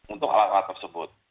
untuk alat alat tersebut